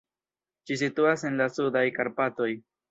Ĝi situas en la Sudaj Karpatoj.